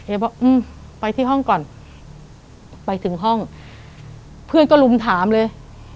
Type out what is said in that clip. บอกอืมไปที่ห้องก่อนไปถึงห้องเพื่อนก็ลุมถามเลย